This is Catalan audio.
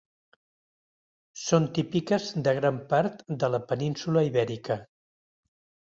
Són típiques de gran part de la península Ibèrica.